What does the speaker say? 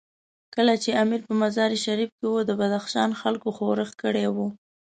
کله چې امیر په مزار شریف کې وو، د بدخشان خلکو ښورښ کړی وو.